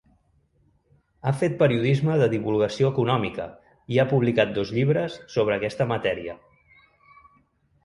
Ha fet periodisme de divulgació econòmica i ha publicat dos llibres sobre aquesta matèria.